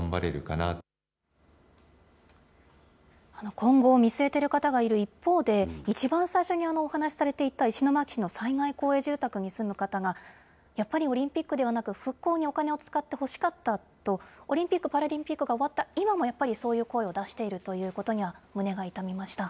今後を見据えてる方がいる一方で、一番最初にお話しされていた石巻市の災害公営住宅に住む方が、やっぱりオリンピックではなく、復興にお金を使ってほしかったと、オリンピック・パラリンピックが終わった今もやっぱり、そういう声を出しているということには、胸が痛みました。